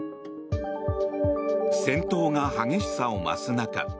戦闘が激しさを増す中